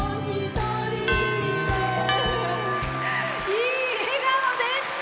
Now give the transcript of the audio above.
いい笑顔でした。